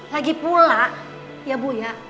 lagipula ya bu ya